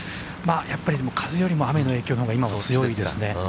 ◆やっぱり風よりも雨の影響のほうが今は強いですね。